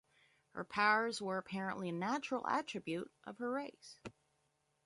Her powers were apparently a natural attribute of her race.